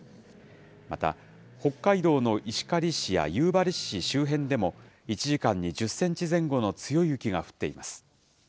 また北海道の石狩市や夕張市周辺でも、１時間に１０センチ前後の強い雪が降っています。